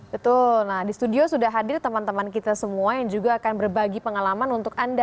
betul nah di studio sudah hadir teman teman kita semua yang juga akan berbagi pengalaman untuk anda